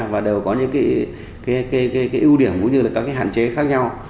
và đều có những ưu điểm cũng như các hạn chế khác nhau